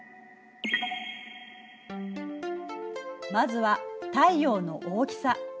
まずは太陽の大きさ。